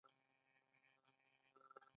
د ګوجرانو سیمې په غرونو کې دي